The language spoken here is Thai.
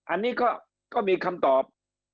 อันนี้ก็มีคำตอบ